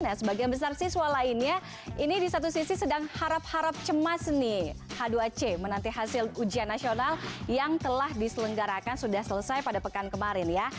nah sebagian besar siswa lainnya ini di satu sisi sedang harap harap cemas nih h dua c menanti hasil ujian nasional yang telah diselenggarakan sudah selesai pada pekan kemarin ya